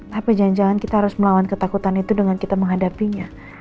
tapi jangan jangan kita harus melawan ketakutan itu dengan kita menghadapinya